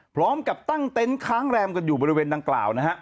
พร้อมกับตั้งเต็นต์ค้างแรมกันอยู่บริเวณดังกล่าวนะฮะ